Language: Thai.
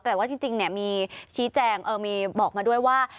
แต่ว่าจริงมีชี้แจงมีบอกมาด้วยว่า